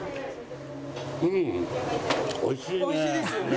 うんおいしいね。